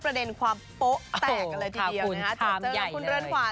ประเด็นความโป๊ะแตกเลยครับทีเดียวจัดเจอกับคุณเรือนขวาน